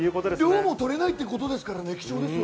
量も取れないっていうことですから。